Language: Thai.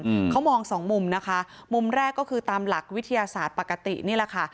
อืมเขามองสองมุมนะคะมุมแรกก็คือตามหลักวิทยาศาสตร์ปกตินี่แหละค่ะ